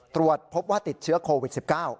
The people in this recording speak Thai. ตรวจพบว่าติดเชื้อโควิด๑๙